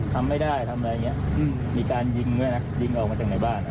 ทำไม่ได้ทำอะไรอย่างนี้มีการยิงด้วยนะยิงออกมาจากในบ้าน